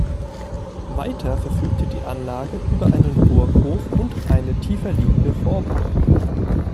Weiter verfügte die Anlage über einen Burghof und eine tieferliegende Vorburg.